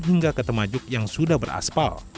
hingga ke temajuk yang sudah beraspal